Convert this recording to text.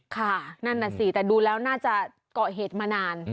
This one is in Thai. ค่ะนั่นน่ะสิแต่ดูแล้วน่าจะเกาะเหตุมานาน